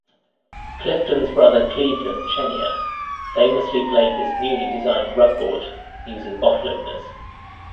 Clifton's brother Cleveland Chenier famously played this newly designed rubboard using bottle openers.